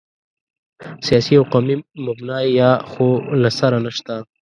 سیاسي او قومي مبنا یا خو له سره نشته.